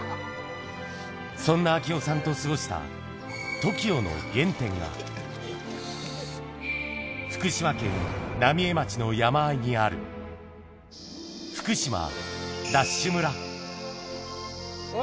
そんな明雄さんと過ごしたＴＯＫＩＯの原点が、福島県浪江町の山あいにある、福島ＤＡＳＨ村。